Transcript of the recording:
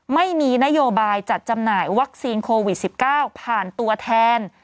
ไม่มีนโยบายจัดจำหน่ายวัคซีนโควิด๑๙ผ่านตัวแทน